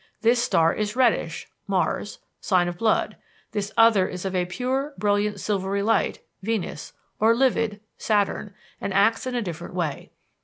This star is reddish (Mars), sign of blood; this other is of a pure, brilliant silvery light (Venus) or livid (Saturn), and acts in a different way.